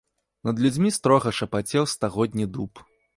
Над людзьмі строга шапацеў стагодні дуб.